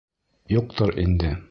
Юҡтыр инде.